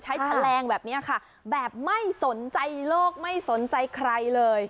แฉลงแบบนี้ค่ะแบบไม่สนใจโลกไม่สนใจใครเลย